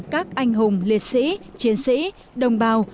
các anh hùng liệt sĩ chiến sĩ đồng bào